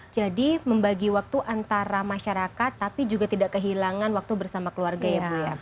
jadi membagi waktu antara masyarakat tapi juga tidak kehilangan waktu bersama keluarga ya bu